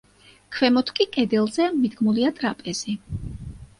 ქვემოთ კი, კედელზე, მიდგმულია ტრაპეზი.